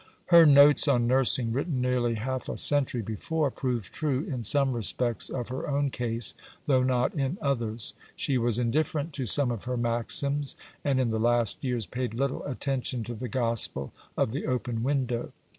Her Notes on Nursing, written nearly half a century before, proved true in some respects of her own case, though not in others. She was indifferent to some of her maxims, and in the last years paid little attention to the gospel of the open window.